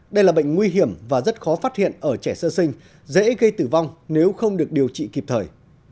đây là bệnh nguy hiểm và rất khó phát hiện ở trẻ sơ sinh dễ gây tử vong nếu không được điều trị kịp thời